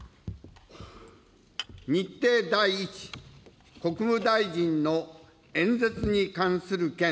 日程第一、国務大臣の演説に関する件